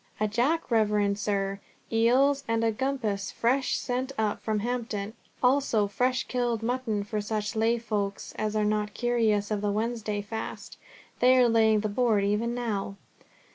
"A jack, reverend sir, eels and a grampus fresh sent up from Hampton; also fresh killed mutton for such lay folk as are not curious of the Wednesday fast. They are laying the board even now."